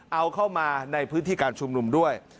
เอาเข้ามาในพื้นที่การชุมนุมด้วย